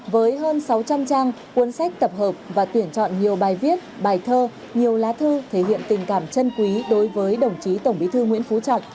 với hơn sáu trăm linh trang cuốn sách tập hợp và tuyển chọn nhiều bài viết bài thơ nhiều lá thư thể hiện tình cảm chân quý đối với đồng chí tổng bí thư nguyễn phú trọng